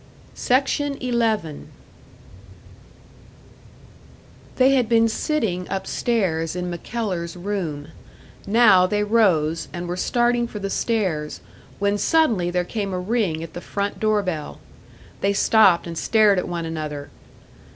They had been sitting upstairs in MacKellar's room. Now they rose, and were starting for the stairs, when suddenly there came a ring at the front door bell. They stopped and stared at one another.